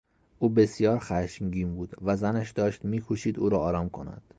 او بسیار خشمگین بود و زنش داشت میکوشید او را آرام کند.